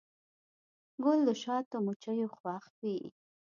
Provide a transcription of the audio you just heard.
ګل د شاتو مچیو خوښ وي.